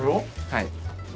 はい。